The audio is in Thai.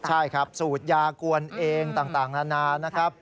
ใช่ครับสูตรยากวนเองต่างนานานะครับ